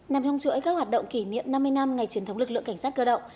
nằm trong chuỗi các hoạt động kỷ niệm năm mươi năm ngày truyền thống lực lượng cảnh sát cơ động